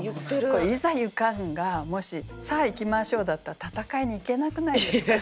これ「いざ行かん」がもし「さあ行きましょう」だったら戦いに行けなくないですか？